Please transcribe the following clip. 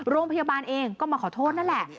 โรงพยาบาลเองก็มาขอโทษนั่นแหละ